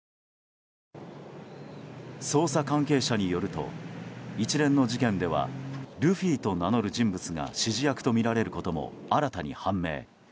捜査関係者によると一連の事件ではルフィと名乗る人物が指示役とみられることも新たに判明。